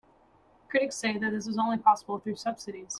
Critics say that this is only possible through subsidies.